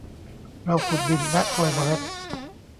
เราขุดดินและโปรยเมล็ด